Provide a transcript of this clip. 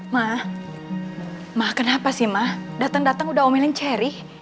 ma ma kenapa sih ma dateng dateng udah omelin cherry